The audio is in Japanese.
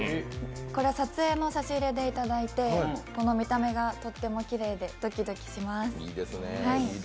撮影の差し入れでいただいて見た目がとってもきれいでドキドキします。